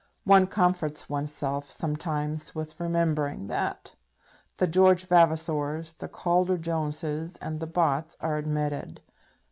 One comforts one's self, sometimes, with remembering that. The George Vavasors, the Calder Joneses, and the Botts are admitted.